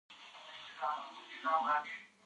مورغاب سیند د افغانانو د معیشت سرچینه ده.